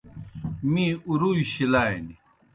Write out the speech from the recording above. می اُرُوئی شِلانیْ۔